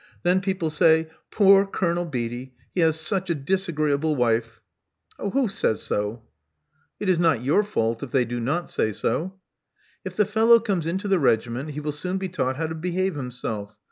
Then people say, •Poor Colonel Beatty: he has such a disagreeable wife."' *'Who says so?*' It is not your fault if they do not say so." If the fellow comes into the regiment, he will soon be taught how to behave himself.